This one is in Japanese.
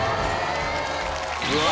うわ！